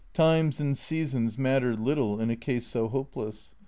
Times and seasons mattered little in a case so hopeless.